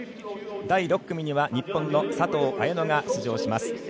第６組には日本の佐藤綾乃が出場します。